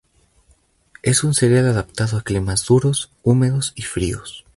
Es un cereal adaptado a climas duros, húmedos y fríos.